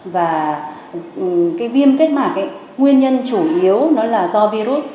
và cái viêm kết mạc nguyên nhân chủ yếu nó là do virus